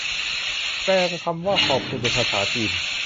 แปลคำว่า ขอบคุณ เป็นภาษาจีน